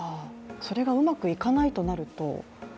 それがうまくいかないとなると？